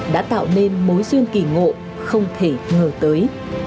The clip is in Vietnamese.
đã tạo nên mối duyên kỳ ngộ không thể ngờ tới